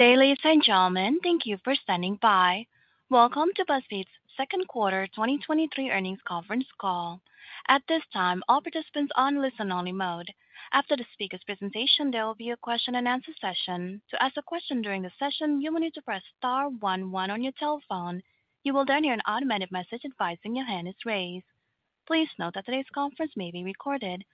Good day, ladies and gentlemen. Thank you for standing by. Welcome to BuzzFeed's Second Quarter 2023 Earnings Conference Call. At this time, all participants are on listen-only mode. After the speaker's presentation, there will be a question-and-answer session. To ask a question during the session, you will need to press star one one on your telephone. You will then hear an automated message advising your hand is raised. Please note that today's conference may be recorded.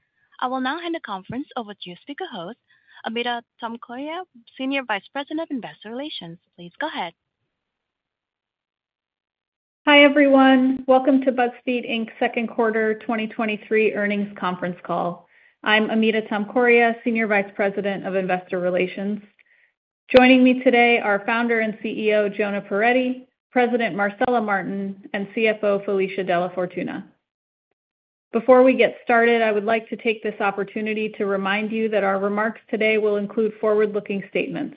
I will now hand the conference over to you, speaker host, Amita Tomkoria, Senior Vice President of Investor Relations. Please go ahead. Hi, everyone. Welcome to BuzzFeed Inc.'s Second Quarter 2023 Earnings Conference Call. I'm Amita Tomkoria, Senior Vice President of Investor Relations. Joining me today are Founder and CEO, Jonah Peretti, President Marcela Martin, and CFO, Felicia DellaFortuna. Before we get started, I would like to take this opportunity to remind you that our remarks today will include forward-looking statements.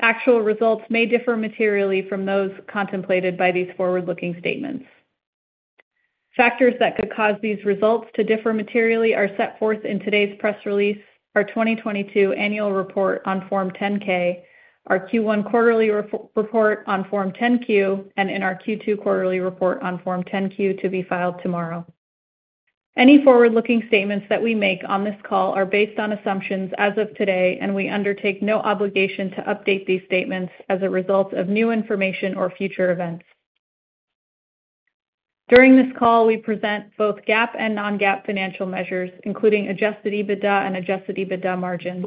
Actual results may differ materially from those contemplated by these forward-looking statements. Factors that could cause these results to differ materially are set forth in today's press release, our 2022 Annual Report on Form 10-K, our Q1 quarterly report on Form 10-Q, and in our Q2 quarterly report on Form 10-Q to be filed tomorrow. Any forward-looking statements that we make on this call are based on assumptions as of today. We undertake no obligation to update these statements as a result of new information or future events. During this call, we present both GAAP and non-GAAP financial measures, including adjusted EBITDA and adjusted EBITDA margins.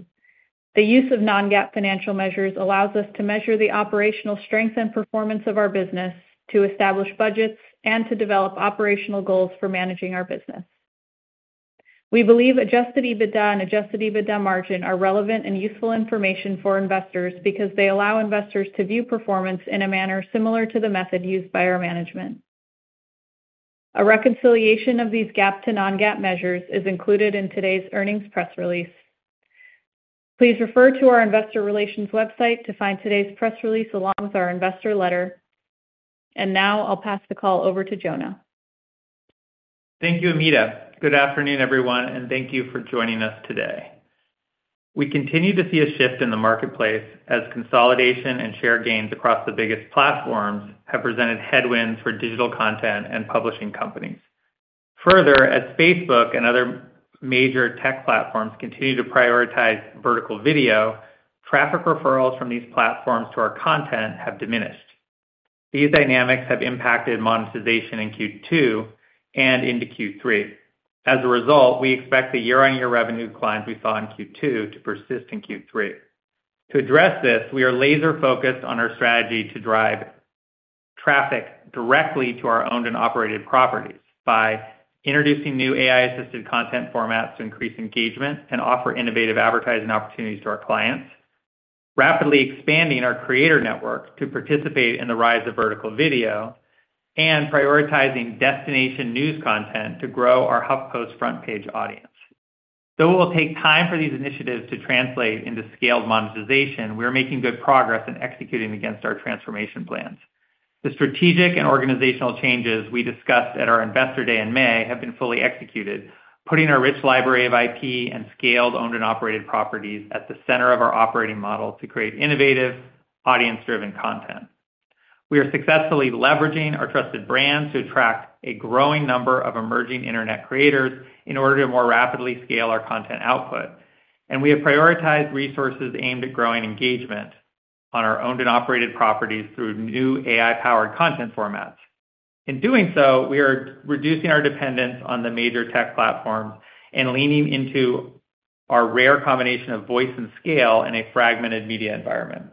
The use of non-GAAP financial measures allows us to measure the operational strength and performance of our business, to establish budgets and to develop operational goals for managing our business. We believe adjusted EBITDA and adjusted EBITDA margin are relevant and useful information for investors because they allow investors to view performance in a manner similar to the method used by our management. A reconciliation of these GAAP to non-GAAP measures is included in today's earnings press release. Please refer to our investor relations website to find today's press release, along with our investor letter. Now I'll pass the call over to Jonah. Thank you, Amita. Good afternoon, everyone, and thank you for joining us today. We continue to see a shift in the marketplace as consolidation and share gains across the biggest platforms have presented headwinds for digital content and publishing companies. Further, as Facebook and other major tech platforms continue to prioritize vertical video, traffic referrals from these platforms to our content have diminished. These dynamics have impacted monetization in Q2 and into Q3. As a result, we expect the year-on-year revenue decline we saw in Q2 to persist in Q3. To address this, we are laser-focused on our strategy to drive traffic directly to our owned and operated properties by introducing new AI-assisted content formats to increase engagement and offer innovative advertising opportunities to our clients, rapidly expanding our creator network to participate in the rise of vertical video, and prioritizing destination news content to grow our HuffPost front page audience. Though it will take time for these initiatives to translate into scaled monetization, we are making good progress in executing against our transformation plans. The strategic and organizational changes we discussed at our Investor Day in May have been fully executed, putting our rich library of IP and scaled, owned and operated properties at the center of our operating model to create innovative, audience-driven content. We are successfully leveraging our trusted brands to attract a growing number of emerging internet creators in order to more rapidly scale our content output. We have prioritized resources aimed at growing engagement on our owned and operated properties through new AI-powered content formats. In doing so, we are reducing our dependence on the major tech platforms and leaning into our rare combination of voice and scale in a fragmented media environment.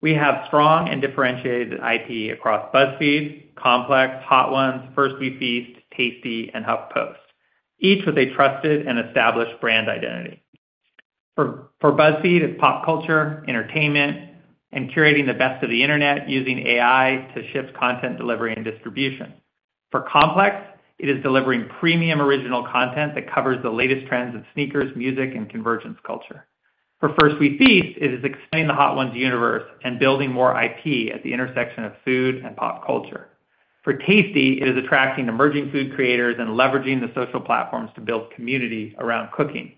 We have strong and differentiated IP across BuzzFeed, Complex, Hot Ones, First We Feast, Tasty, and HuffPost, each with a trusted and established brand identity. For BuzzFeed, it's pop culture, entertainment, and curating the best of the internet, using AI to shift content delivery and distribution. For Complex, it is delivering premium original content that covers the latest trends in sneakers, music, and convergence culture. For First We Feast, it is expanding the Hot Ones universe and building more IP at the intersection of food and pop culture. For Tasty, it is attracting emerging food creators and leveraging the social platforms to build community around cooking.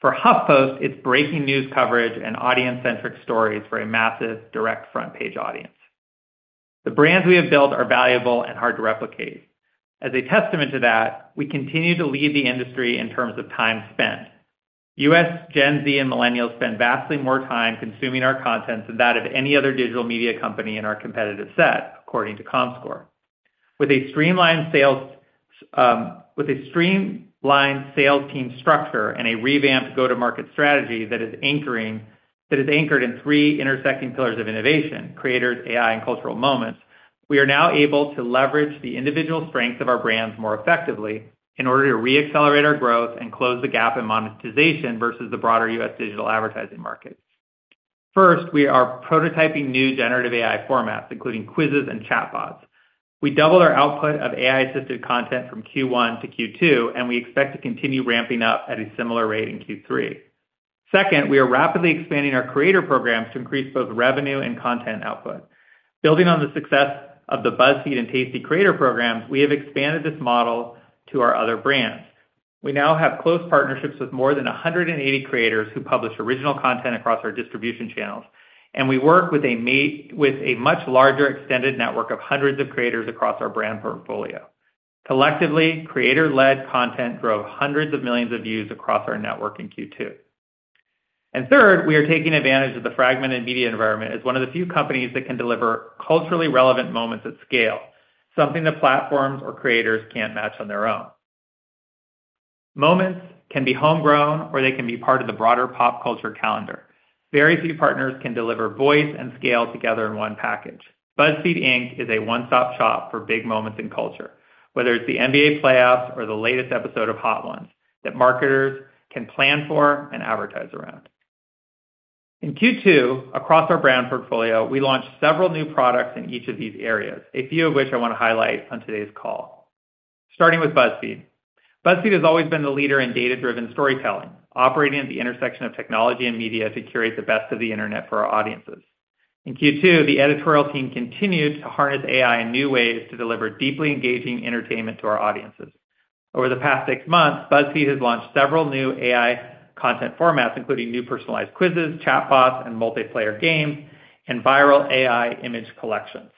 For HuffPost, it's breaking news coverage and audience-centric stories for a massive direct front-page audience. The brands we have built are valuable and hard to replicate. As a testament to that, we continue to lead the industry in terms of time spent. U.S., Gen Z, and millennials spend vastly more time consuming our content than that of any other digital media company in our competitive set, according to Comscore. With a streamlined sales, with a streamlined sales team structure and a revamped go-to-market strategy that is anchored in three intersecting pillars of innovation: creators, AI, and cultural moments. We are now able to leverage the individual strengths of our brands more effectively in order to re-accelerate our growth and close the gap in monetization versus the broader U.S. digital advertising market. First, we are prototyping new generative AI formats, including quizzes and chatbots. We doubled our output of AI-assisted content from Q1 to Q2, and we expect to continue ramping up at a similar rate in Q3. Second, we are rapidly expanding our creator programs to increase both revenue and content output. Building on the success of the BuzzFeed and Tasty Creator programs, we have expanded this model to our other brands....We now have close partnerships with more than 180 creators who publish original content across our distribution channels, and we work with a much larger extended network of hundreds of creators across our brand portfolio. Collectively, creator-led content drove hundreds of millions of views across our network in Q2. Third, we are taking advantage of the fragmented media environment as one of the few companies that can deliver culturally relevant moments at scale, something that platforms or creators can't match on their own. Moments can be homegrown, or they can be part of the broader pop culture calendar. Very few partners can deliver voice and scale together in one package. BuzzFeed Inc. is a one-stop shop for big moments in culture, whether it's the NBA playoffs or the latest episode of Hot Ones, that marketers can plan for and advertise around. In Q2, across our brand portfolio, we launched several new products in each of these areas, a few of which I want to highlight on today's call. Starting with BuzzFeed. BuzzFeed has always been the leader in data-driven storytelling, operating at the intersection of technology and media to curate the best of the internet for our audiences. In Q2, the editorial team continued to harness AI in new ways to deliver deeply engaging entertainment to our audiences. Over the past six months, BuzzFeed has launched several new AI content formats, including new personalized quizzes, chatbots and multiplayer games, and viral AI image collections.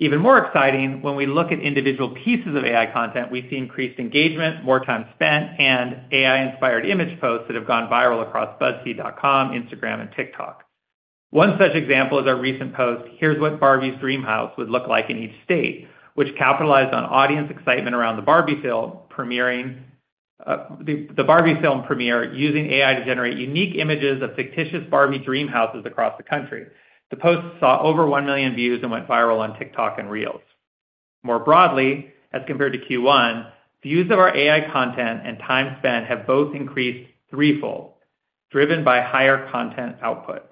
Even more exciting, when we look at individual pieces of AI content, we see increased engagement, more time spent, and AI-inspired image posts that have gone viral across buzzfeed.com, Instagram and TikTok. One such example is our recent post, "Here's What Barbie's Dream House Would Look Like in Each State," which capitalized on audience excitement around the Barbie film premiering. The Barbie film premiere, using AI to generate unique images of fictitious Barbie dream houses across the country. The post saw over 1 million views and went viral on TikTok and Reels. More broadly, as compared to Q1, views of our AI content and time spent have both increased threefold, driven by higher content output.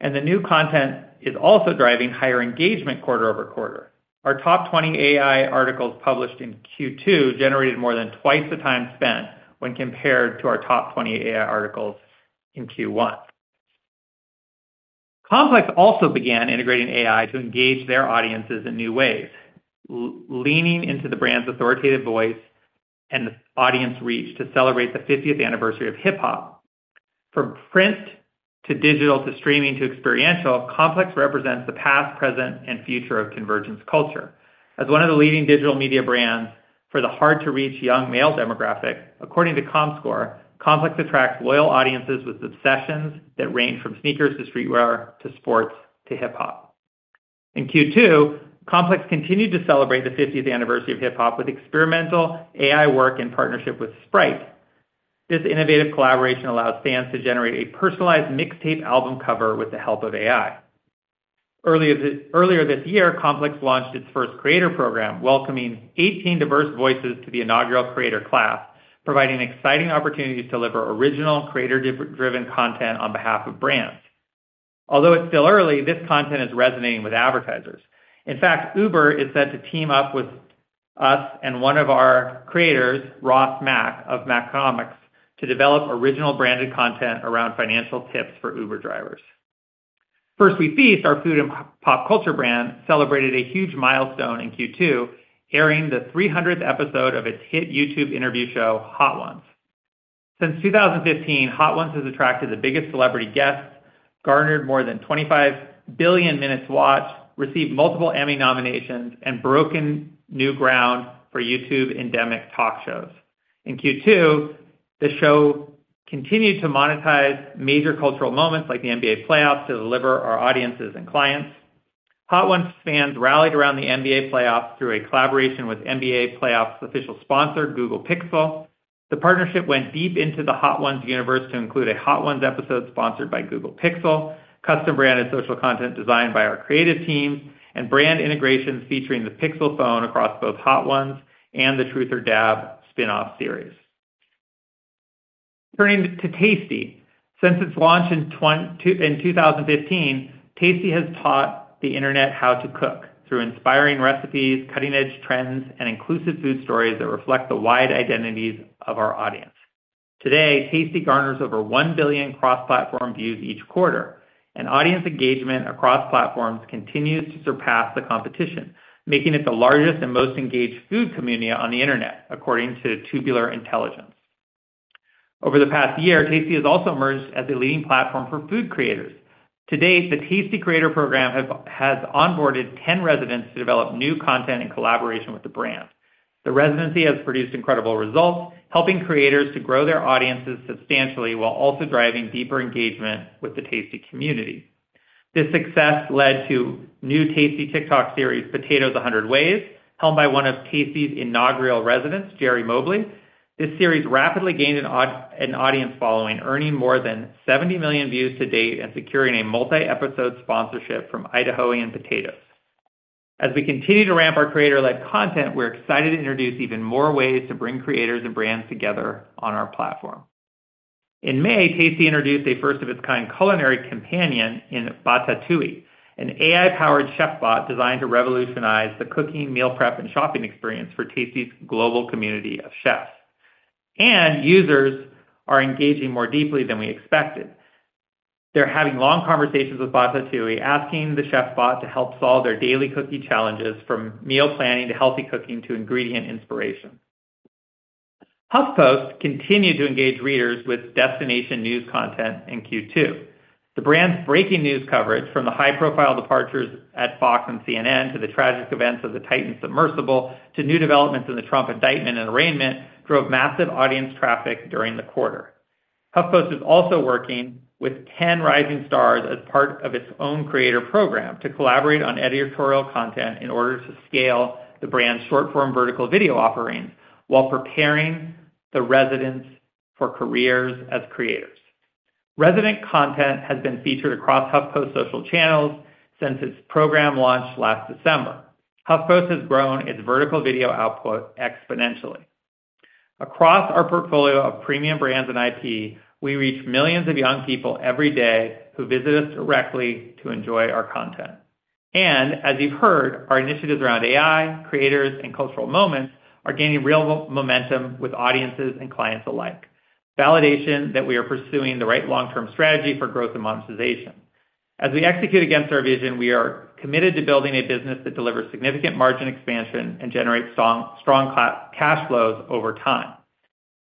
The new content is also driving higher engagement quarter-over-quarter. Our top 20 AI articles published in Q2 generated more than 2x the time spent when compared to our top 20 AI articles in Q1. Complex also began integrating AI to engage their audiences in new ways, leaning into the brand's authoritative voice and the audience reach to celebrate the 50th anniversary of hip-hop. From print to digital to streaming to experiential, Complex represents the past, present, and future of convergence culture. As one of the leading digital media brands for the hard-to-reach young male demographic, according to Comscore, Complex attracts loyal audiences with obsessions that range from sneakers to streetwear to sports to hip-hop. In Q2, Complex continued to celebrate the fiftieth anniversary of hip-hop with experimental AI work in partnership with Sprite. This innovative collaboration allows fans to generate a personalized mixtape album cover with the help of AI. Earlier this year, Complex launched its first creator program, welcoming 18 diverse voices to the inaugural creator class, providing exciting opportunities to deliver original, creator-driven content on behalf of brands. Although it's still early, this content is resonating with advertisers. In fact, Uber is set to team up with us and one of our creators, Ross Mac of Maconomics, to develop original branded content around financial tips for Uber drivers. First We Feast, our food and pop culture brand, celebrated a huge milestone in Q2, airing the 300th episode of its hit YouTube interview show, Hot Ones. Since 2015, Hot Ones has attracted the biggest celebrity guests, garnered more than 25 billion minutes watched, received multiple Emmy nominations, and broken new ground for YouTube-endemic talk shows. In Q2, the show continued to monetize major cultural moments like the NBA playoffs to deliver our audiences and clients. Hot Ones fans rallied around the NBA playoffs through a collaboration with NBA playoffs' official sponsor, Google Pixel. The partnership went deep into the Hot Ones universe to include a Hot Ones episode sponsored by Google Pixel, custom branded social content designed by our creative team, and brand integrations featuring the Pixel phone across both Hot Ones and the Truth or Dab spinoff series. Turning to Tasty. Since its launch in 2015, Tasty has taught the internet how to cook through inspiring recipes, cutting-edge trends, and inclusive food stories that reflect the wide identities of our audience. Today, Tasty garners over 1 billion cross-platform views each quarter, and audience engagement across platforms continues to surpass the competition, making it the largest and most engaged food community on the internet, according to Tubular Intelligence. Over the past year, Tasty has also emerged as a leading platform for food creators. To date, the Tasty Creator program has onboarded 10 residents to develop new content in collaboration with the brand. The residency has produced incredible results, helping creators to grow their audiences substantially while also driving deeper engagement with the Tasty community. This success led to new Tasty TikTok series, Potatoes 100 Ways, helmed by one of Tasty's inaugural residents, Jeri Mobley. This series rapidly gained an audience following, earning more than 70 million views to date and securing a multi-episode sponsorship from Idahoan Potatoes. As we continue to ramp our creator-led content, we're excited to introduce even more ways to bring creators and brands together on our platform. In May, Tasty introduced a first-of-its-kind culinary companion in Botatouille, an AI-powered chef bot designed to revolutionize the cooking, meal prep, and shopping experience for Tasty's global community of chefs. Users are engaging more deeply than we expected. They're having long conversations with Botatouille, asking the chef bot to help solve their daily cooking challenges, from meal planning, to healthy cooking, to ingredient inspiration. HuffPost continued to engage readers with destination news content in Q2. The brand's breaking news coverage, from the high-profile departures at Fox and CNN, to the tragic events of the Titan submersible, to new developments in the Trump indictment and arraignment, drove massive audience traffic during the quarter. HuffPost is also working with 10 rising stars as part of its own creator program to collaborate on editorial content in order to scale the brand's short-form vertical video offerings, while preparing the residents for careers as creators. Resident content has been featured across HuffPost social channels since its program launched last December. HuffPost has grown its vertical video output exponentially. Across our portfolio of premium brands and IP, we reach millions of young people every day who visit us directly to enjoy our content. As you've heard, our initiatives around AI, creators, and cultural moments are gaining real momentum with audiences and clients alike. Validation that we are pursuing the right long-term strategy for growth and monetization. As we execute against our vision, we are committed to building a business that delivers significant margin expansion and generates strong, strong cash flows over time.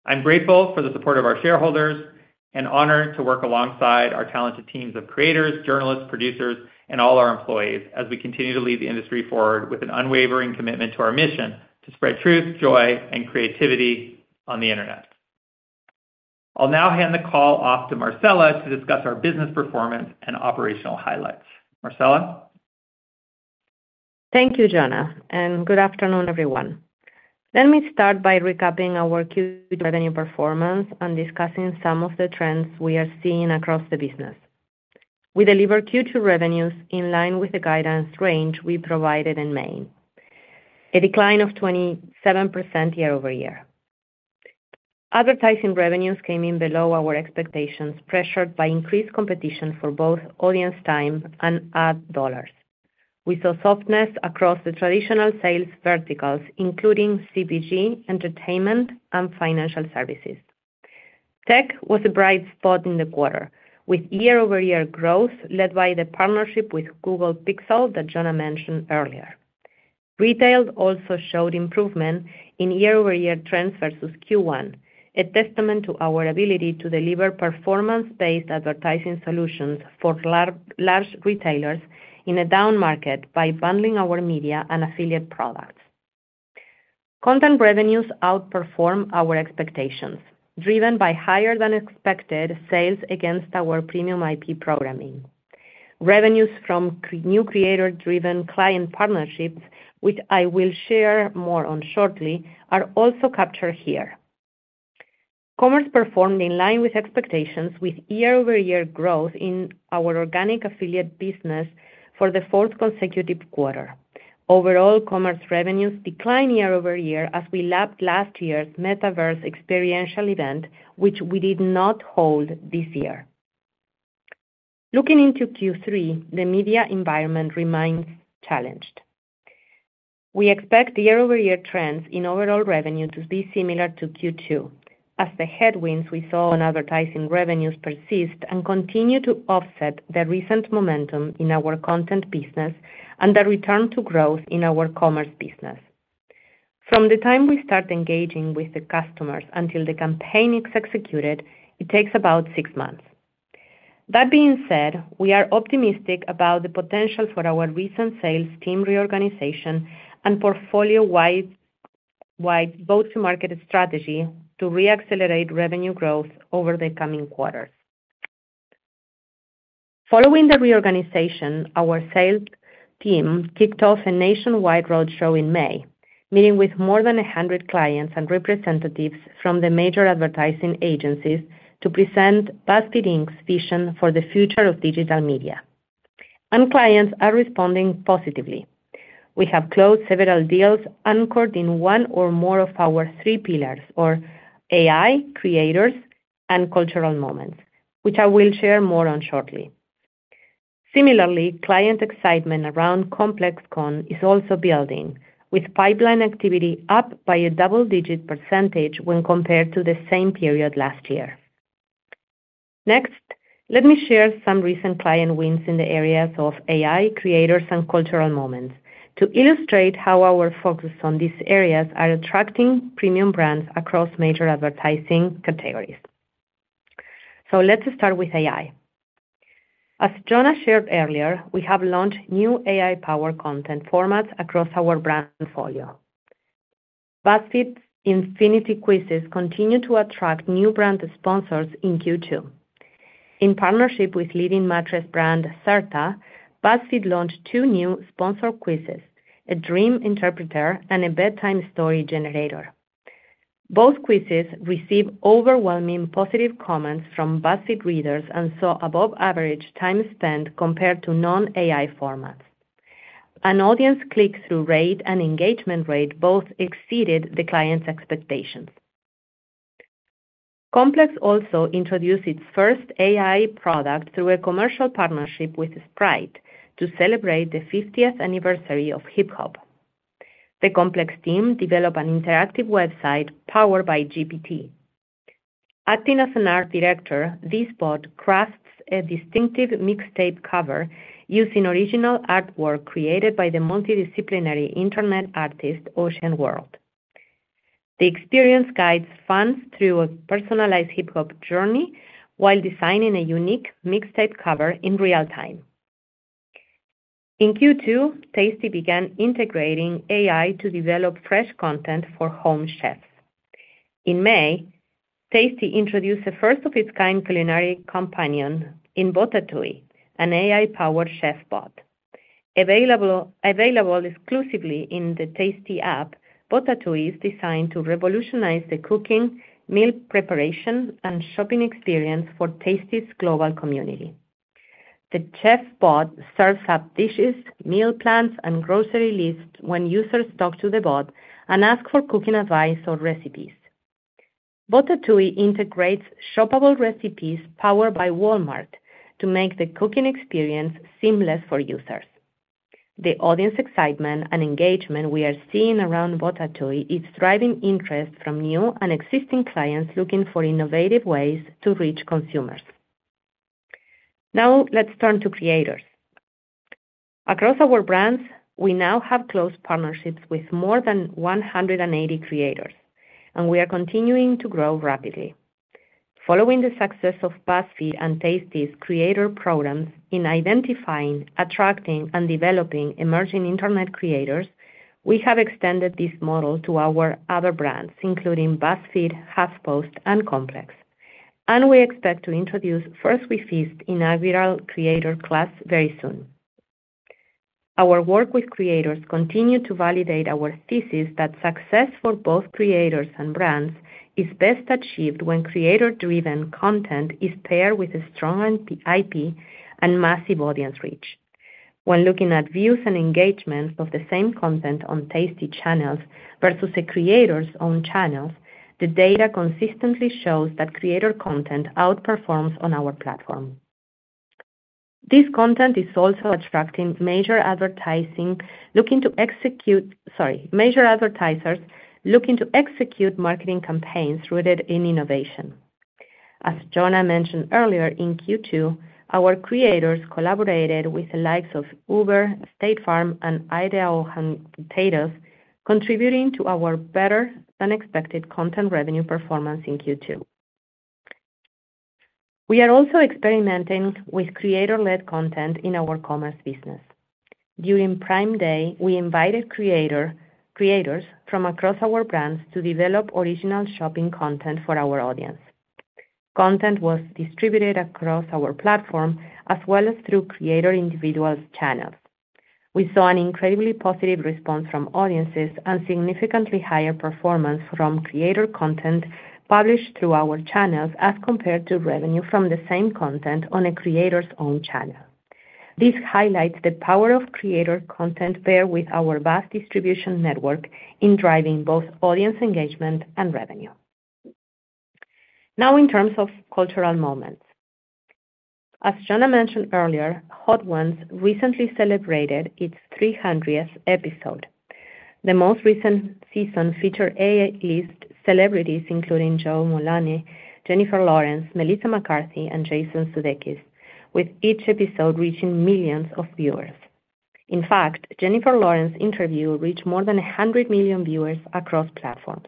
I'm grateful for the support of our shareholders and honored to work alongside our talented teams of creators, journalists, producers, and all our employees, as we continue to lead the industry forward with an unwavering commitment to our mission: to spread truth, joy, and creativity on the internet. I'll now hand the call off to Marcela to discuss our business performance and operational highlights. Marcela? Thank you, Jonah, and good afternoon, everyone. Let me start by recapping our Q2 revenue performance and discussing some of the trends we are seeing across the business. We delivered Q2 revenues in line with the guidance range we provided in May, a decline of 27% year-over-year. Advertising revenues came in below our expectations, pressured by increased competition for both audience time and ad dollars. We saw softness across the traditional sales verticals, including CPG, entertainment, and financial services. Tech was a bright spot in the quarter, with year-over-year growth led by the partnership with Google Pixel that Jonah mentioned earlier. Retail also showed improvement in year-over-year trends versus Q1, a testament to our ability to deliver performance-based advertising solutions for large retailers in a down market by bundling our media and affiliate products. Content revenues outperformed our expectations, driven by higher than expected sales against our premium IP programming. Revenues from new creator-driven client partnerships, which I will share more on shortly, are also captured here. Commerce performed in line with expectations, with year-over-year growth in our organic affiliate business for the 4th consecutive quarter. Overall, commerce revenues declined year-over-year as we lapped last year's metaverse experiential event, which we did not hold this year. Looking into Q3, the media environment remains challenged. We expect the year-over-year trends in overall revenue to be similar to Q2, as the headwinds we saw in advertising revenues persist and continue to offset the recent momentum in our content business and the return to growth in our commerce business. From the time we start engaging with the customers until the campaign is executed, it takes about six months. That being said, we are optimistic about the potential for our recent sales team reorganization and portfolio-wide go-to-market strategy to re-accelerate revenue growth over the coming quarters. Following the reorganization, our sales team kicked off a nationwide roadshow in May, meeting with more than 100 clients and representatives from the major advertising agencies to present BuzzFeed Inc.'s vision for the future of digital media. Clients are responding positively. We have closed several deals anchored in one or more of our three pillars, or AI, creators, and cultural moments, which I will share more on shortly. Similarly, client excitement around ComplexCon is also building, with pipeline activity up by a double-digit % when compared to the same period last year. Let me share some recent client wins in the areas of AI, creators, and cultural moments to illustrate how our focus on these areas are attracting premium brands across major advertising categories. Let's start with AI. As Jonah shared earlier, we have launched new AI-powered content formats across our brand portfolio. BuzzFeed's Infinity Quizzes continue to attract new brand sponsors in Q2. In partnership with leading mattress brand Serta, BuzzFeed launched two new sponsored quizzes: a dream interpreter and a bedtime story generator. Both quizzes received overwhelming positive comments from BuzzFeed readers and saw above average time spent compared to non-AI formats. An audience click-through rate and engagement rate both exceeded the client's expectations. Complex also introduced its first AI product through a commercial partnership with Sprite to celebrate the 50th anniversary of hip-hop. The Complex team developed an interactive website powered by GPT. Acting as an art director, this bot crafts a distinctive mixtape cover using original artwork created by the multidisciplinary internet artist, OseanWorld. The experience guides fans through a personalized hip-hop journey while designing a unique mixtape cover in real time. In Q2, Tasty began integrating AI to develop fresh content for home chefs. In May, Tasty introduced the first of its kind culinary companion in Botatouille, an AI-powered chef bot. Available exclusively in the Tasty app, Botatouille is designed to revolutionize the cooking, meal preparation, and shopping experience for Tasty's global community. The chef bot serves up dishes, meal plans, and grocery lists when users talk to the bot and ask for cooking advice or recipes. Botatouille integrates shoppable recipes powered by Walmart to make the cooking experience seamless for users. The audience excitement and engagement we are seeing around Botatouille is driving interest from new and existing clients looking for innovative ways to reach consumers. Let's turn to creators. Across our brands, we now have close partnerships with more than 180 creators, and we are continuing to grow rapidly. Following the success of BuzzFeed and Tasty's creator programs in identifying, attracting, and developing emerging internet creators, we have extended this model to our other brands, including BuzzFeed, HuffPost, and Complex, and we expect to introduce First We Feast inaugural creator class very soon. Our work with creators continue to validate our thesis that success for both creators and brands is best achieved when creator-driven content is paired with a strong IP and massive audience reach. When looking at views and engagements of the same content on Tasty channels versus the creator's own channels, the data consistently shows that creator content outperforms on our platform. This content is also attracting major advertising, looking to execute, sorry, major advertisers looking to execute marketing campaigns rooted in innovation. As Jonah mentioned earlier, in Q2, our creators collaborated with the likes of Uber, State Farm, and Idahoan Potatoes, contributing to our better-than-expected content revenue performance in Q2. We are also experimenting with creator-led content in our commerce business. During Prime Day, we invited creator, creators from across our brands to develop original shopping content for our audience. Content was distributed across our platform, as well as through creator individuals' channels. We saw an incredibly positive response from audiences and significantly higher performance from creator content published through our channels, as compared to revenue from the same content on a creator's own channel. This highlights the power of creator content paired with our vast distribution network in driving both audience engagement and revenue. Now, in terms of cultural moments, as Jonah mentioned earlier, Hot Ones recently celebrated its 300th episode. The most recent season featured A-list celebrities, including Joel McHale, Jennifer Lawrence, Melissa McCarthy, and Jason Sudeikis, with each episode reaching millions of viewers. In fact, Jennifer Lawrence's interview reached more than 100 million viewers across platforms.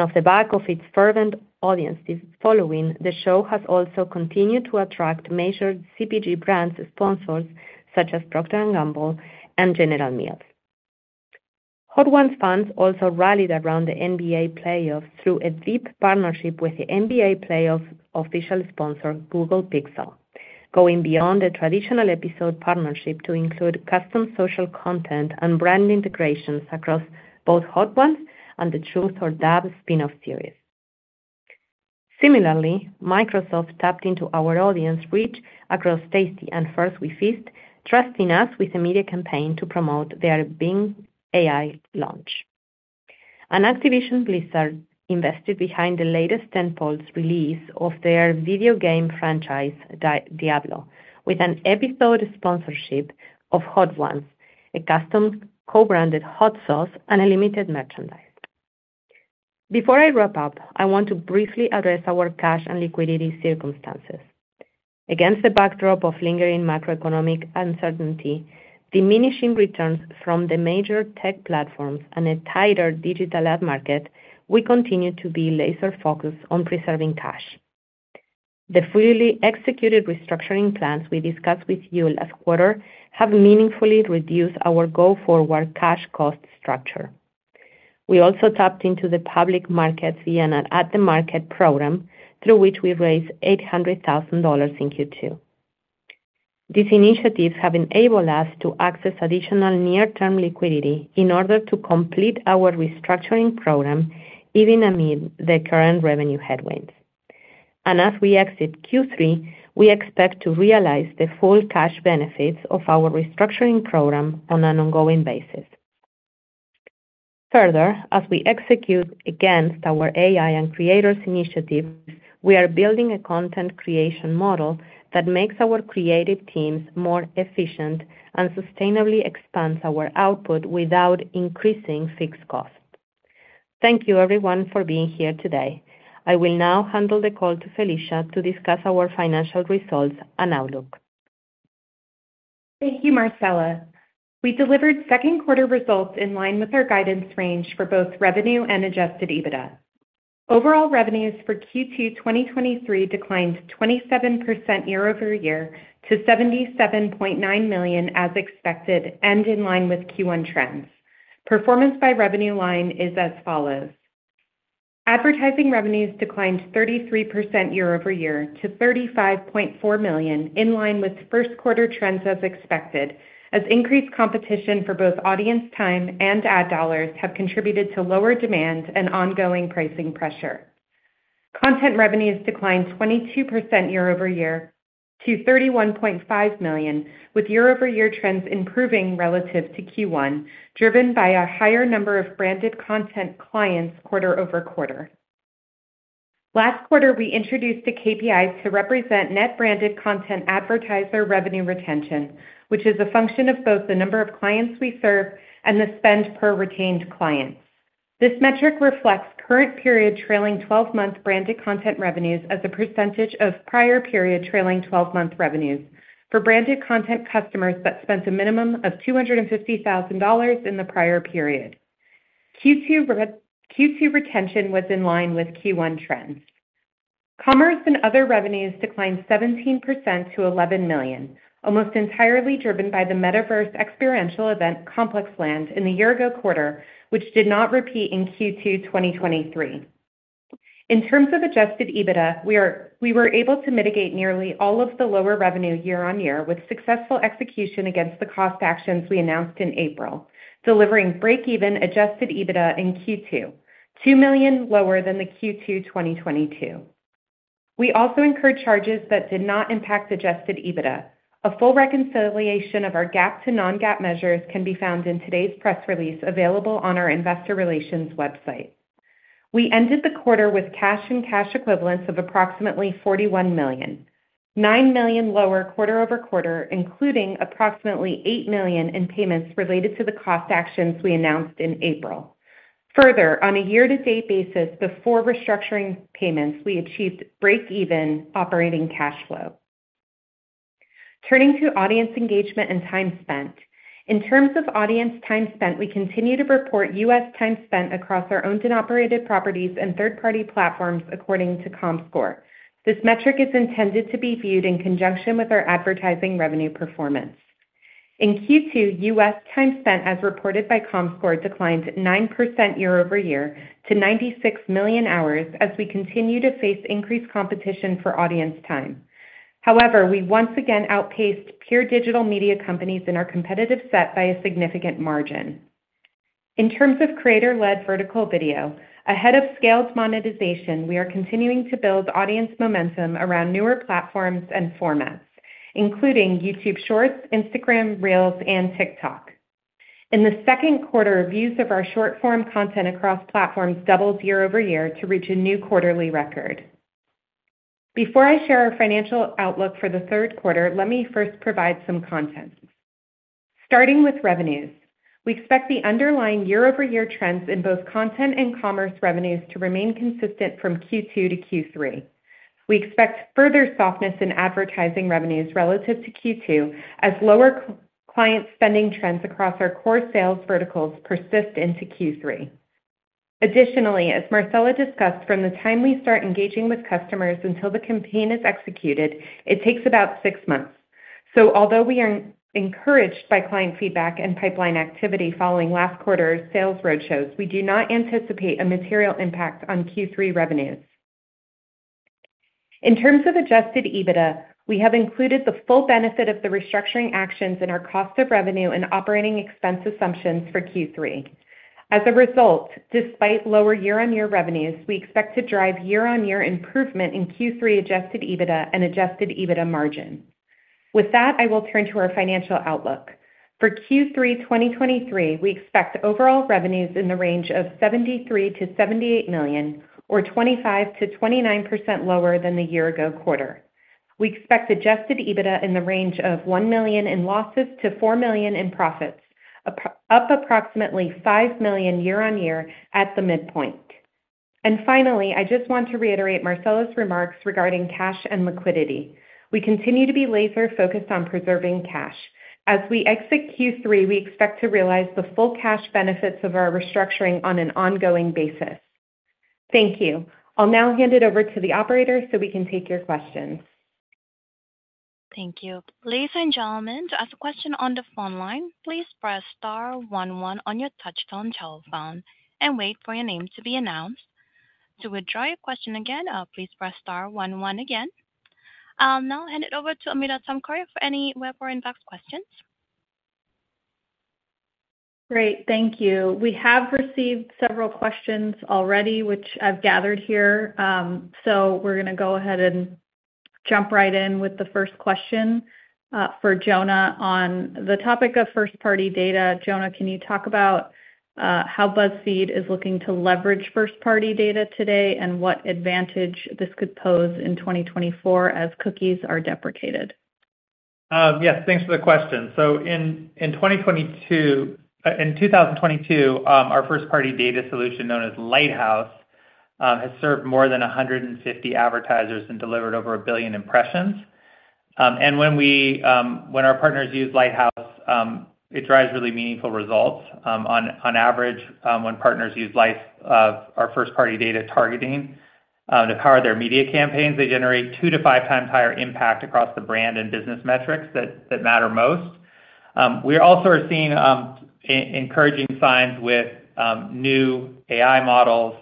Off the back of its fervent audience following, the show has also continued to attract major CPG brands and sponsors such as Procter & Gamble and General Mills. Hot Ones fans also rallied around the NBA playoffs through a deep partnership with the NBA playoffs' official sponsor, Google Pixel, going beyond the traditional episode partnership to include custom social content and brand integrations across both Hot Ones and the Truth or Dab spin-off series. Similarly, Microsoft tapped into our audience reach across Tasty and First We Feast, trusting us with a media campaign to promote their Bing AI launch. Activision Blizzard invested behind the latest tentpole release of their video game franchise, Diablo, with an episode sponsorship of Hot Ones, a custom co-branded hot sauce, and a limited merchandise. Before I wrap up, I want to briefly address our cash and liquidity circumstances. Against the backdrop of lingering macroeconomic uncertainty, diminishing returns from the major tech platforms, and a tighter digital ad market, we continue to be laser-focused on preserving cash. The fully executed restructuring plans we discussed with you last quarter have meaningfully reduced our go-forward cash cost structure. We also tapped into the public markets via an at-the-market program, through which we raised $800,000 in Q2. These initiatives have enabled us to access additional near-term liquidity in order to complete our restructuring program, even amid the current revenue headwinds. As we exit Q3, we expect to realize the full cash benefits of our restructuring program on an ongoing basis.... Further, as we execute against our AI and creators initiatives, we are building a content creation model that makes our creative teams more efficient and sustainably expands our output without increasing fixed costs. Thank you everyone for being here today. I will now handle the call to Felicia to discuss our financial results and outlook. Thank you, Marcela. We delivered second quarter results in line with our guidance range for both revenue and adjusted EBITDA. Overall revenues for Q2 2023 declined 27% year-over-year to $77.9 million, as expected, and in line with Q1 trends. Performance by revenue line is as follows: Advertising revenues declined 33% year-over-year to $35.4 million, in line with first quarter trends as expected, as increased competition for both audience time and ad dollars have contributed to lower demand and ongoing pricing pressure. Content revenues declined 22% year-over-year to $31.5 million, with year-over-year trends improving relative to Q1, driven by a higher number of branded content clients quarter-over-quarter. Last quarter, we introduced the KPIs to represent net-branded content advertiser revenue retention, which is a function of both the number of clients we serve and the spend per retained client. This metric reflects current period trailing twelve-month branded content revenues as a % of prior period trailing twelve-month revenues for branded content customers that spent a minimum of $250,000 in the prior period. Q2 retention was in line with Q1 trends. Commerce and other revenues declined 17% to $11 million, almost entirely driven by the Metaverse experiential event, ComplexLand, in the year ago quarter, which did not repeat in Q2 2023. In terms of adjusted EBITDA, we were able to mitigate nearly all of the lower revenue year-over-year with successful execution against the cost actions we announced in April, delivering break-even adjusted EBITDA in Q2, $2 million lower than the Q2 2022. We also incurred charges that did not impact adjusted EBITDA. A full reconciliation of our GAAP to non-GAAP measures can be found in today's press release, available on our investor relations website. We ended the quarter with cash and cash equivalents of approximately $41 million, $9 million lower quarter-over-quarter, including approximately $8 million in payments related to the cost actions we announced in April. Further, on a year-to-date basis, before restructuring payments, we achieved break-even operating cash flow. Turning to audience engagement and time spent. In terms of audience time spent, we continue to report U.S. time spent across our owned and operated properties and third-party platforms, according to Comscore. This metric is intended to be viewed in conjunction with our advertising revenue performance. In Q2, U.S. time spent, as reported by Comscore, declined 9% year-over-year to 96 million hours as we continue to face increased competition for audience time. We once again outpaced pure digital media companies in our competitive set by a significant margin. In terms of creator-led vertical video, ahead of scaled monetization, we are continuing to build audience momentum around newer platforms and formats, including YouTube Shorts, Instagram Reels, and TikTok. In the second quarter, views of our short-form content across platforms doubled year-over-year to reach a new quarterly record. Before I share our financial outlook for the third quarter, let me first provide some context. Starting with revenues, we expect the underlying year-over-year trends in both content and commerce revenues to remain consistent from Q2 to Q3. We expect further softness in advertising revenues relative to Q2, as lower client spending trends across our core sales verticals persist into Q3. As Marcela discussed, from the time we start engaging with customers until the campaign is executed, it takes about six months. Although we are encouraged by client feedback and pipeline activity following last quarter's sales roadshows, we do not anticipate a material impact on Q3 revenues. In terms of adjusted EBITDA, we have included the full benefit of the restructuring actions in our cost of revenue and operating expense assumptions for Q3. As a result, despite lower year-on-year revenues, we expect to drive year-on-year improvement in Q3 adjusted EBITDA and adjusted EBITDA margin. With that, I will turn to our financial outlook. For Q3 2023, we expect overall revenues in the range of $73 million-$78 million, or 25%-29% lower than the year-ago quarter. We expect adjusted EBITDA in the range of $1 million in losses to $4 million in profits, up approximately $5 million year-on-year at the midpoint. Finally, I just want to reiterate Marcela's remarks regarding cash and liquidity. We continue to be laser-focused on preserving cash. As we exit Q3, we expect to realize the full cash benefits of our restructuring on an ongoing basis. Thank you. I'll now hand it over to the operator so we can take your questions. Thank you. Ladies and gentlemen, to ask a question on the phone line, please press star one one on your touch-tone telephone and wait for your name to be announced. To withdraw your question again, please press star one one again. I'll now hand it over to Amita Tomkoria for any web or inbox questions. Great, thank you. We have received several questions already, which I've gathered here. We're gonna go ahead.... jump right in with the first question for Jonah. On the topic of first-party data, Jonah, can you talk about how BuzzFeed is looking to leverage first-party data today, and what advantage this could pose in 2024 as cookies are deprecated? Yes, thanks for the question. In 2022, our first-party data solution, known as Lighthouse, has served more than 150 advertisers and delivered over 1 billion impressions. When we, when our partners use Lighthouse, it drives really meaningful results. On average, when partners use Light, our first-party data targeting, to power their media campaigns, they generate two-five times higher impact across the brand and business metrics that, that matter most. We also are seeing encouraging signs with new AI models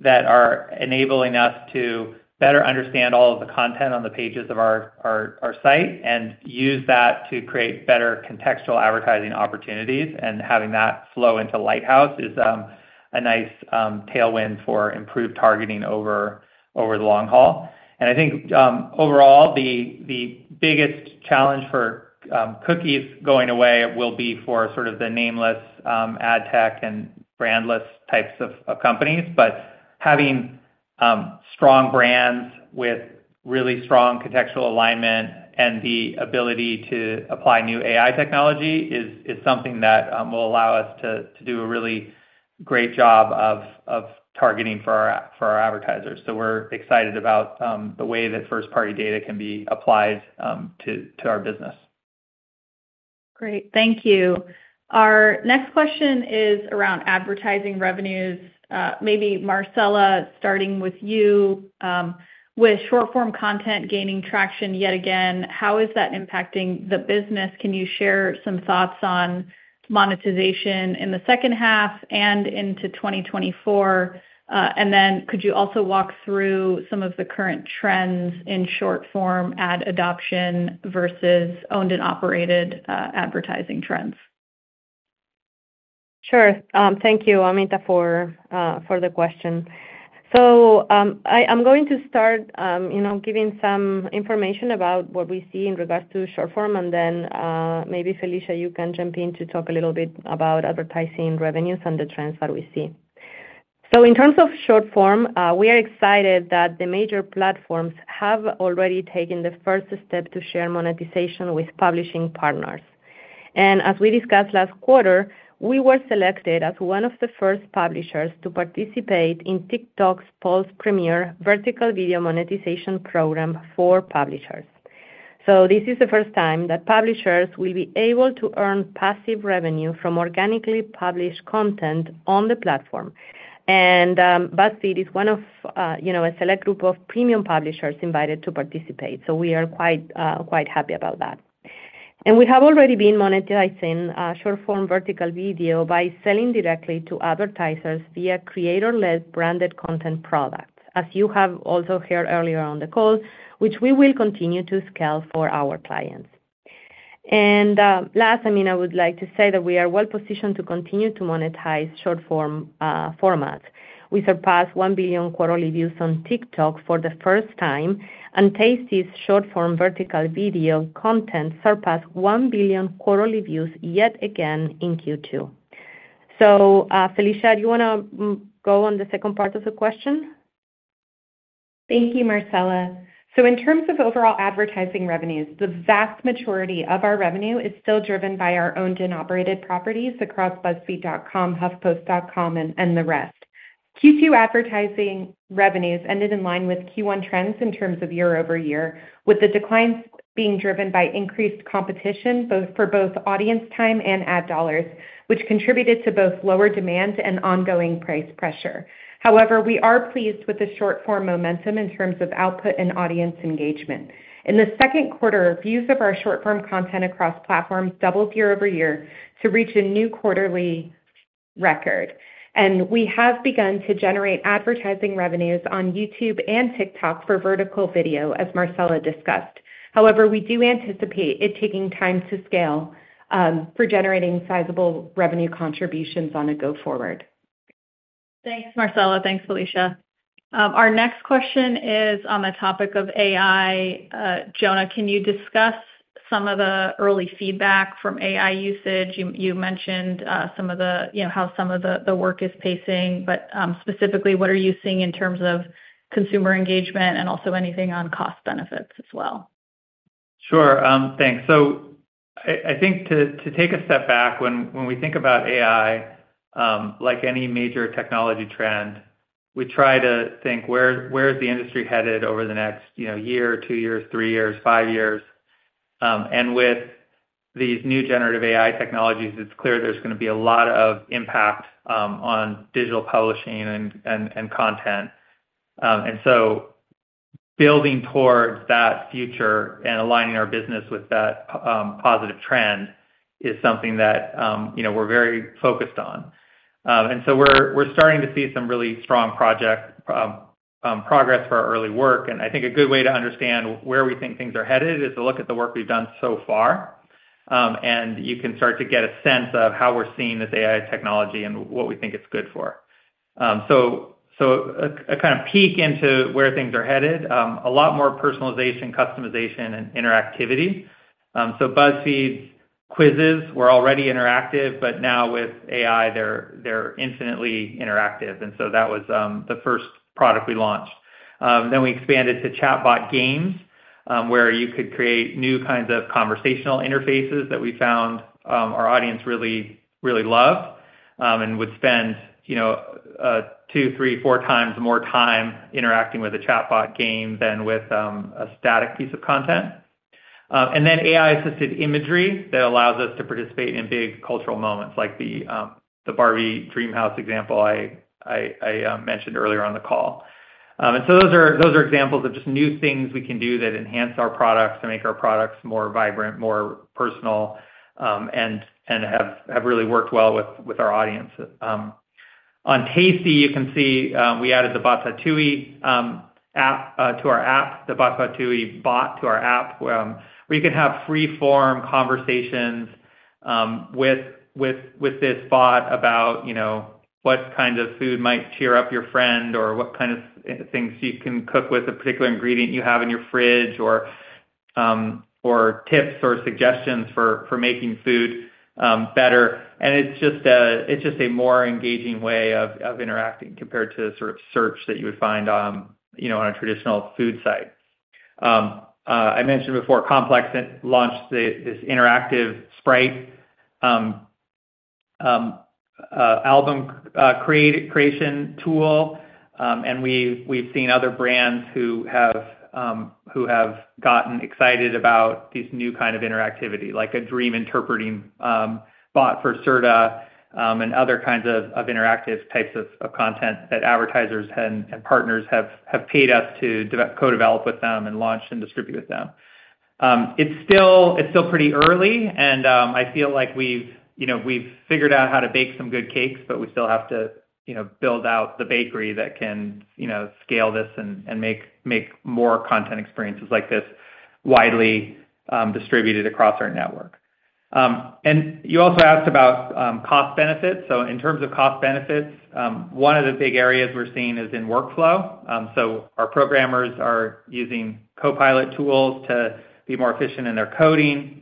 that are enabling us to better understand all of the content on the pages of our, our, our site and use that to create better contextual advertising opportunities, and having that flow into Lighthouse is a nice tailwind for improved targeting over, over the long haul. I think, overall, the biggest challenge for cookies going away will be for sort of the nameless ad tech and brandless types of, of companies. Having strong brands with really strong contextual alignment and the ability to apply new AI technology is, is something that will allow us to, to do a really great job of, of targeting for our, for our advertisers. We're excited about the way that first-party data can be applied to, to our business. Great, thank you. Our next question is around advertising revenues. Maybe Marcela, starting with you. With short-form content gaining traction yet again, how is that impacting the business? Can you share some thoughts on monetization in the second half and into 2024? Could you also walk through some of the current trends in short-form ad adoption versus owned and operated advertising trends? Sure. Thank you, Amita, for the question. I'm going to start, you know, giving some information about what we see in regards to short form, and then, maybe, Felicia, you can jump in to talk a little bit about advertising revenues and the trends that we see. In terms of short form, we are excited that the major platforms have already taken the first step to share monetization with publishing partners. As we discussed last quarter, we were selected as one of the first publishers to participate in TikTok's Pulse Premiere vertical video monetization program for publishers. This is the first time that publishers will be able to earn passive revenue from organically published content on the platform. BuzzFeed is one of, you know, a select group of premium publishers invited to participate, so we are quite, quite happy about that. We have already been monetizing short-form vertical video by selling directly to advertisers via creator-led branded content products. As you have also heard earlier on the call, which we will continue to scale for our clients. Last, I mean, I would like to say that we are well positioned to continue to monetize short-form formats. We surpassed 1 billion quarterly views on TikTok for the first time, and Tasty's short-form vertical video content surpassed 1 billion quarterly views yet again in Q2. Felicia, do you wanna go on the second part of the question? Thank you, Marcela. In terms of overall advertising revenues, the vast majority of our revenue is still driven by our owned and operated properties across buzzfeed.com, huffpost.com and the rest. Q2 advertising revenues ended in line with Q1 trends in terms of year-over-year, with the declines being driven by increased competition for both audience time and ad dollars, which contributed to both lower demand and ongoing price pressure. We are pleased with the short-form momentum in terms of output and audience engagement. In the second quarter, views of our short-form content across platforms doubled year-over-year to reach a new quarterly record, and we have begun to generate advertising revenues on YouTube and TikTok for vertical video, as Marcela discussed. We do anticipate it taking time to scale for generating sizable revenue contributions on a go forward. Thanks, Marcela. Thanks, Felicia. Our next question is on the topic of AI. Jonah, can you discuss some of the early feedback from AI usage? You, you mentioned, some of the... you know, how some of the, the work is pacing, but, specifically, what are you seeing in terms of consumer engagement and also anything on cost benefits as well? Sure, thanks. I, I think to, to take a step back, when, when we think about AI, like any major technology trend, we try to think, where, where is the industry headed over the next, you know, year, two years, three years, five years? With these new generative AI technologies, it's clear there's gonna be a lot of impact on digital publishing and, and, and content. Building towards that future and aligning our business with that positive trend is something that, you know, we're very focused on. We're, we're starting to see some really strong project progress for our early work. I think a good way to understand where we think things are headed is to look at the work we've done so far, and you can start to get a sense of how we're seeing this AI technology and what we think it's good for. A kind of peek into where things are headed, a lot more personalization, customization, and interactivity. BuzzFeed's quizzes were already interactive, but now with AI, they're infinitely interactive, and so that was the first product we launched. Then we expanded to chatbot games, where you could create new kinds of conversational interfaces that we found our audience really loved, and would spend, you know, two, three, four times more time interacting with a chatbot game than with a static piece of content. Then AI-assisted imagery that allows us to participate in big cultural moments, like the Barbie Dreamhouse example I mentioned earlier on the call. Those are, those are examples of just new things we can do that enhance our products to make our products more vibrant, more personal, and, and have, have really worked well with, with our audience. On Tasty, you can see, we added the Botatouille app to our app, the Botatouille bot to our app, where you can have free-form conversations with, with, with this bot about, you know, what kind of food might cheer up your friend, or what kind of things you can cook with a particular ingredient you have in your fridge, or tips or suggestions for, for making food better. It's just a, it's just a more engaging way of, of interacting compared to the sort of search that you would find on, you know, on a traditional food site. I mentioned before, Complex launched this, this interactive Sprite album creation tool, and we've, we've seen other brands who have gotten excited about these new kind of interactivity, like a dream interpreting bot for Serta, and other kinds of, of interactive types of, of content that advertisers and, and partners have, have paid us to co-develop with them and launch and distribute with them. It's still, it's still pretty early, and, I feel like we've, you know, we've figured out how to bake some good cakes, but we still have to, you know, build out the bakery that can, you know, scale this and, and make, make more content experiences like this widely distributed across our network. You also asked about cost benefits. In terms of cost benefits, one of the big areas we're seeing is in workflow. Our programmers are using Copilot tools to be more efficient in their coding.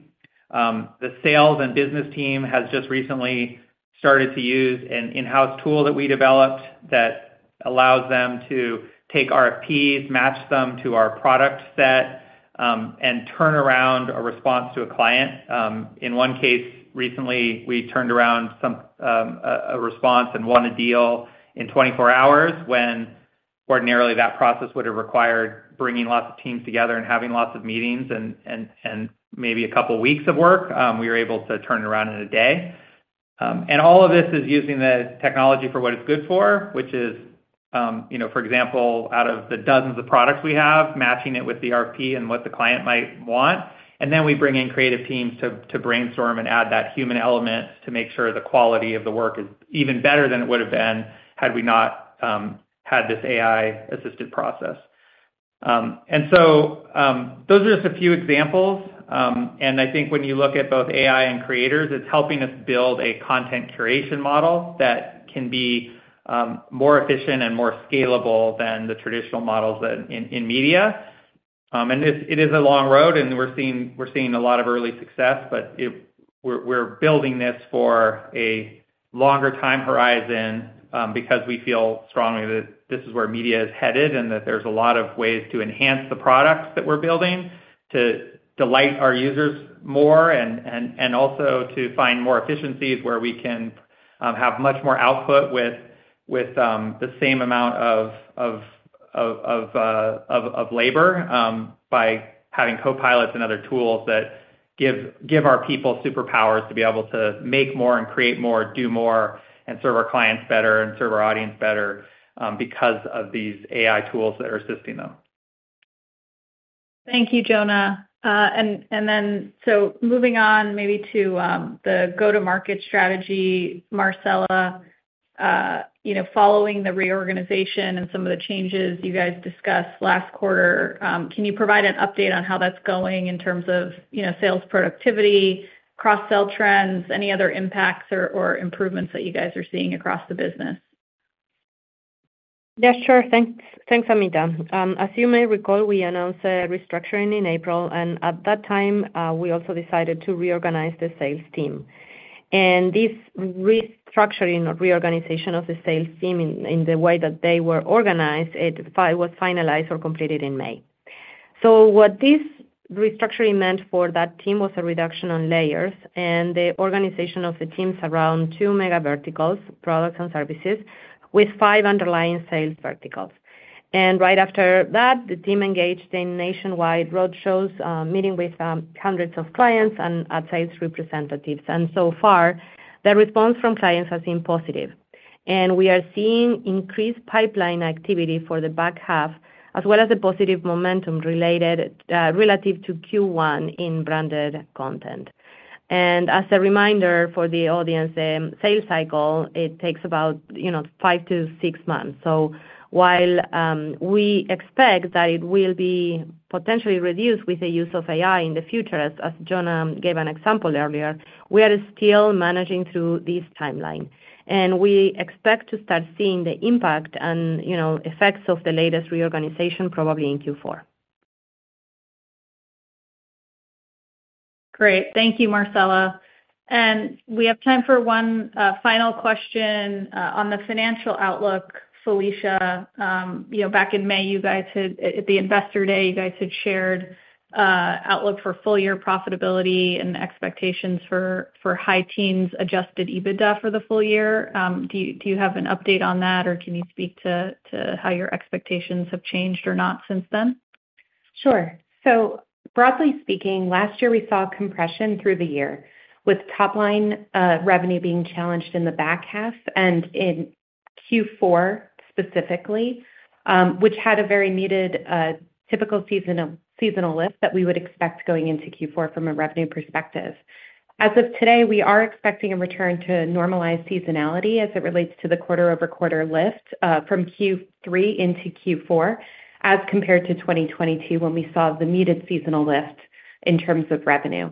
The sales and business team has just recently started to use an in-house tool that we developed that allows them to take RFPs, match them to our product set, and turn around a response to a client. In one case recently, we turned around some, a, a response and won a deal in 24 hours, when ordinarily that process would have required bringing lots of teams together and having lots of meetings and, and, and maybe a couple weeks of work. We were able to turn it around in one day. All of this is using the technology for what it's good for, which is, you know, for example, out of the dozens of products we have, matching it with the RFP and what the client might want. We bring in creative teams to, to brainstorm and add that human element to make sure the quality of the work is even better than it would have been had we not, had this AI-assisted process. Those are just a few examples. I think when you look at both AI and creators, it's helping us build a content curation model that can be more efficient and more scalable than the traditional models that in, in media. It's, it is a long road, and we're seeing, we're seeing a lot of early success, but we're, we're building this for a longer time horizon, because we feel strongly that this is where media is headed, and that there's a lot of ways to enhance the products that we're building, to delight our users more and, and, and also to find more efficiencies where we can, have much more output with, with the same amount of labor, by having copilots and other tools that give, give our people superpowers to be able to make more and create more, do more, and serve our clients better and serve our audience better, because of these AI tools that are assisting them. Thank you, Jonah. Moving on maybe to the go-to-market strategy, Marcela, you know, following the reorganization and some of the changes you guys discussed last quarter, can you provide an update on how that's going in terms of, you know, sales productivity, cross-sell trends, any other impacts or improvements that you guys are seeing across the business? Yeah, sure. Thanks. Thanks, Amita. As you may recall, we announced a restructuring in April, at that time, we also decided to reorganize the sales team. This restructuring or reorganization of the sales team in, in the way that they were organized, it was finalized or completed in May. What this restructuring meant for that team was a reduction on layers and the organization of the teams around two mega verticals, products and services, with five underlying sales verticals. Right after that, the team engaged in nationwide roadshows, meeting with hundreds of clients and ad sales representatives. So far, the response from clients has been positive, and we are seeing increased pipeline activity for the back half, as well as a positive momentum related relative to Q1 in branded content. As a reminder for the audience, sales cycle, it takes about, you know, five-six months. While we expect that it will be potentially reduced with the use of AI in the future, as, as Jonah gave an example earlier, we are still managing through this timeline, and we expect to start seeing the impact and, you know, effects of the latest reorganization probably in Q4.... Great. Thank you, Marcela. We have time for one final question on the financial outlook. Felicia, you know, back in May, at the Investor Day, you guys had shared outlook for full year profitability and expectations for high teens adjusted EBITDA for the full year. Do you have an update on that, or can you speak to how your expectations have changed or not since then? Sure. Broadly speaking, last year we saw compression through the year, with top line revenue being challenged in the back half and in Q4 specifically, which had a very needed, typical seasonal lift that we would expect going into Q4 from a revenue perspective. As of today, we are expecting a return to normalized seasonality as it relates to the quarter-over-quarter lift from Q3 into Q4, as compared to 2022, when we saw the needed seasonal lift in terms of revenue.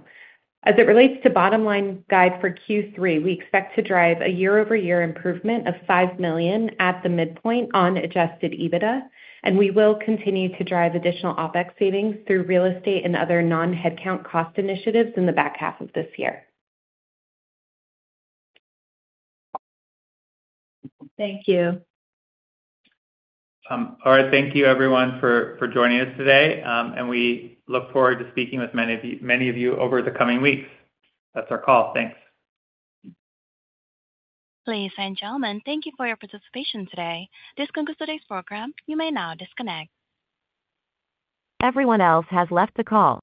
As it relates to bottom line guide for Q3, we expect to drive a year-over-year improvement of $5 million at the midpoint on adjusted EBITDA, and we will continue to drive additional OpEx savings through real estate and other non-headcount cost initiatives in the back half of this year. Thank you. All right. Thank you everyone for, for joining us today, and we look forward to speaking with many of you, many of you over the coming weeks. That's our call. Thanks. Ladies and gentlemen, thank you for your participation today. This concludes today's program. You may now disconnect. Everyone else has left the call.